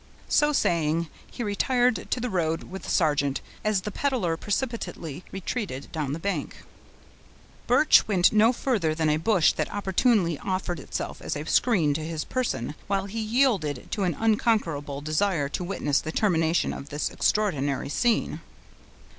So saying, he retired to the road with the sergeant, as the peddler precipitately retreated down the bank. Birch went no farther than a bush that opportunely offered itself as a screen to his person, while he yielded to an unconquerable desire to witness the termination of this extraordinary scene.